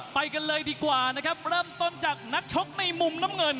ไปกันเลยดีกว่านะครับเริ่มต้นจากนักชกในมุมน้ำเงิน